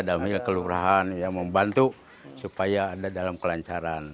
dalam hal kelurahan yang membantu supaya ada dalam kelancaran